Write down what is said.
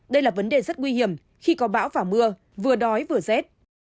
đây là vấn đề rất nguy hiểm khi có bão và mưa vừa đói vừa rét